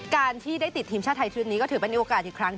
การที่ได้ติดทีมชาติไทยชุดนี้ก็ถือเป็นโอกาสอีกครั้ง